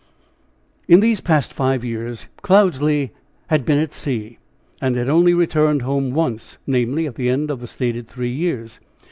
In these five past years, Cloudesley had been at sea, and had only returned home once namely, at the end of the stated three years.